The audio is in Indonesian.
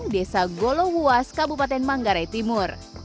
desa golo wuas kabupaten manggarai timur